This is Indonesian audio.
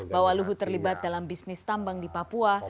bahwa luhut terlibat dalam bisnis tambang di papua